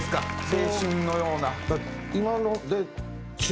青春のような。